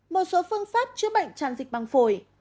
một số phương pháp chữa bệnh chăn dịch măng phổi